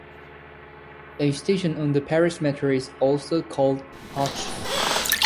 A station on the Paris Metro is also called 'Hoche.